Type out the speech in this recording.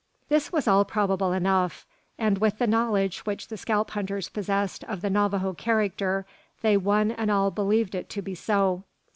This was all probable enough; and with the knowledge which the scalp hunters possessed of the Navajo character, they one and all believed it to be so.